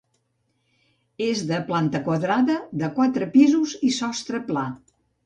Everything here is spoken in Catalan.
És de planta quadrada, de quatre pisos i sostre pla.